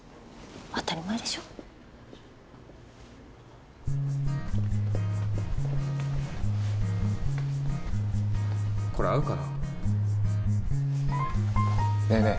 当たり前でしょこれ合うかな？ねぇねぇ